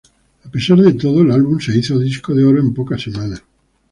A pesar de todo, el álbum se hizo disco de oro en pocas semanas.